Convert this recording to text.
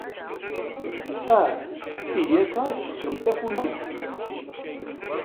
Ah, ihi akka ay tetteẓẓgemt tafunast?